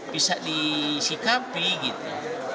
bisa disikapi gitu